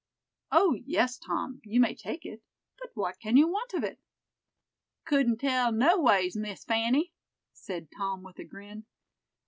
"O, yes, Tom, you may take it; but what can you want of it?" "Couldn't tell no ways, Miss Fanny," said Tom, with a grin.